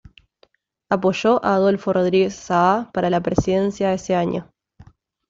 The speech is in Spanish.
Apoyó a Adolfo Rodríguez Saá para la presidencia ese año.